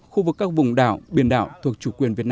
khu vực các vùng đảo biển đảo thuộc chủ quyền việt nam